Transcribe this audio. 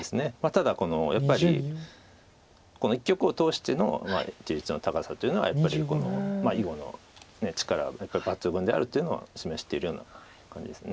ただやっぱりこの一局を通しての一致率の高さというのはやっぱり囲碁の力が抜群であるというのを示しているような感じです。